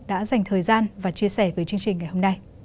đã dành thời gian và chia sẻ với chương trình ngày hôm nay